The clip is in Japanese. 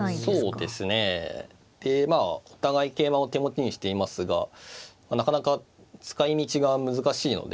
でまあお互い桂馬を手持ちにしていますがなかなか使いみちが難しいので。